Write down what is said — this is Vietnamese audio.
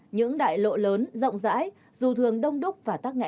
những đại lộ lớn rộng rãi dù thường đông đúc và tắc nghẽn